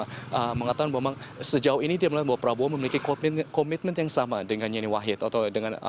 dan yeni wakid sendiri mengatakan bahwa sejauh ini dia melihat prabowo memiliki komitmen yang sama dengan yeni wakid